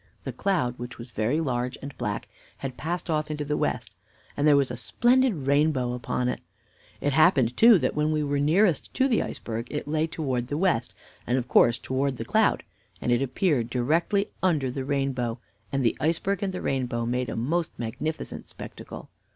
The cloud, which was very large and black, had passed off into the west, and there was a splendid rainbow upon it. It happened, too, that when we were nearest to the iceberg it lay toward the west, and, of course, toward the cloud, and it appeared directly under the rainbow, and the iceberg and the rainbow made a most magnificent spectacle.